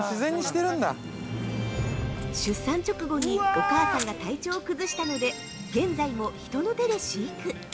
◆出産直後にお母さんが体調を崩したので、現在も人の手で飼育。